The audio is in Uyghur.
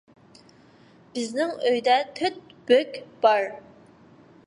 بىزنىڭ ئۆيدە تۆت بۆك بار.